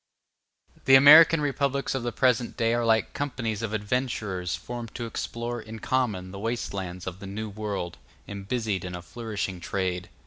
The American republics of the present day are like companies of adventurers formed to explore in common the waste lands of the New World, and busied in a flourishing trade.